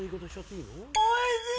おいしい！